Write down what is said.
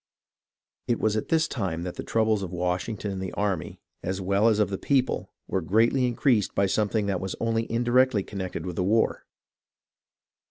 It was at this time that the troubles of Washington and the army, as well as of the people, were greatly increased by something that was only indirectly connected with the war.